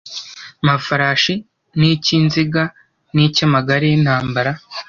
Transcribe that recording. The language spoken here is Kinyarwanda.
Mafarashi n icy inziga n icy amagare y intambara